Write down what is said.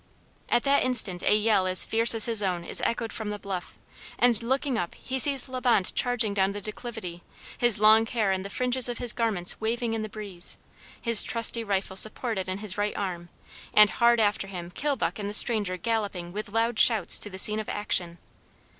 At that instant a yell as fierce as his own is echoed from the bluff, and looking up he sees La Bonte charging down the declivity, his long hair and the fringes of his garments waving in the breeze, his trusty rifle supported in his right arm, and hard after him Kilbuck and the stranger galloping with loud shouts to the scene of action.